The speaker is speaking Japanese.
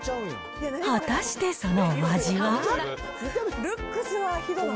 果たしてそのお味は。